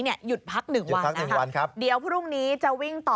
หยุดพักหนึ่งวันนะครับพรุ่งนี้จะวิ่งต่อ